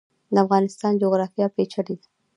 د افغانستان جغرافیا پیچلې ده